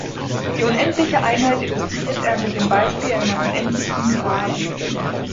Die unendliche Einheit illustriert er mit dem Beispiel einer unendlichen Geraden.